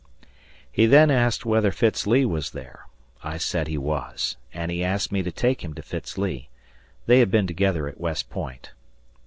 He then asked whether Fitz Lee was there. I said he was, and he asked me to take him to Fitz Lee they had been together at West Point.